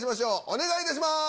お願いいたします！